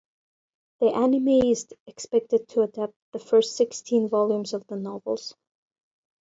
The anime is expected to adapt the first sixteen volumes of the novels.